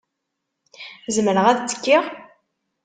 Zemreɣ ad ttekkiɣ?